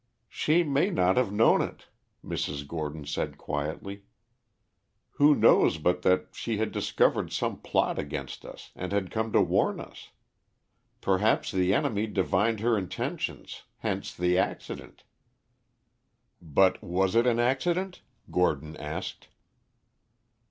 "She may not have known it," Mrs. Gordon said quietly. "Who knows but that she had discovered some plot against us and had come to warn us? Perhaps the enemy divined her intentions hence the accident." "But was it an accident?" Geoffrey asked.